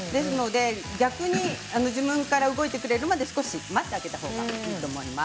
逆に自分から動いてくれるまで少し待ったほうがいいと思います。